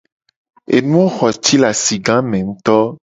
Enuwo xo ci le asigame ngto.